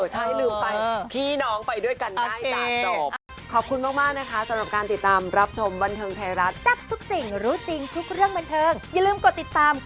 ใช่ลืมไปพี่น้องไปด้วยกันได้จ้า